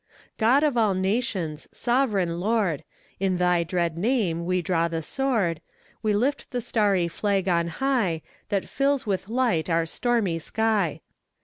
God of all nations! sovereign Lord! In thy dread name we draw the sword, We lift the starry flag on high That fills with light our stormy sky.